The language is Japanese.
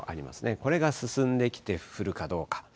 これが進んできて降るかどうか。